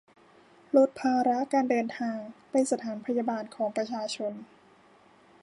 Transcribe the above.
ลดภาระการเดินทาง ไปสถานพยาบาลของประชาชน